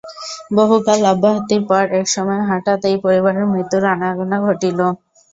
বহুকাল অব্যাহতির পর এক সময়ে হঠাৎ এই পরিবারে মৃত্যুর আনাগোনা ঘটিল।